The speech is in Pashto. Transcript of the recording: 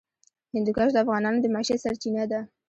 هندوکش د افغانانو د معیشت سرچینه ده.